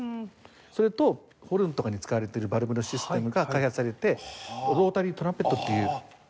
それとホルンとかに使われてるバルブのシステムが開発されてロータリートランペットっていう。